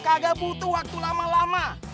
kagak butuh waktu lama lama